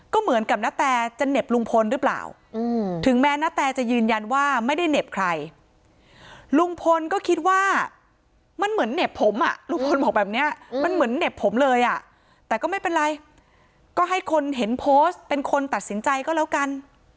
ก็เหมือนกับณแตจะเหน็บลุงพลหรือเปล่าถึงแม้นาแตจะยืนยันว่าไม่ได้เหน็บใครลุงพลก็คิดว่ามันเหมือนเหน็บผมอ่ะลุงพลบอกแบบนี้มันเหมือนเหน็บผมเลยอ่ะแต่ก็ไม่เป็นไรก็ให้คนเห็นโพสต์เป็นคนตัดสินใจก็แล้วกัน